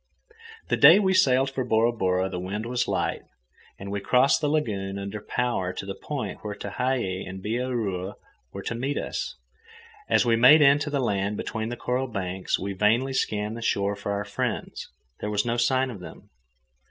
The day we sailed for Bora Bora the wind was light, and we crossed the lagoon under power to the point where Tehei and Bihaura were to meet us. As we made in to the land between the coral banks, we vainly scanned the shore for our friends. There was no sign of them.